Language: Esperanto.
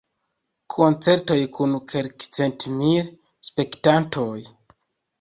Koncertoj kun kelkcentmil spektantoj.